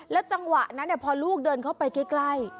จังหวะนั้นพอลูกเดินเข้าไปใกล้